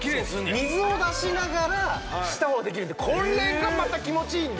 水を出しながら舌をできるんでこれがまた気持ちいいんで。